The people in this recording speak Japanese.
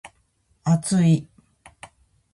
厚い